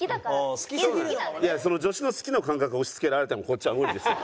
いや女子の「好き」の感覚を押し付けられてもこっちは無理ですわ。